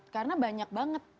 karena banyak banget